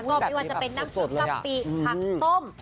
ก็ไม่ว่าจะเป็นน้ำซื้อกำปิผักต้ม